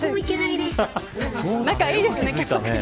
仲いいですね。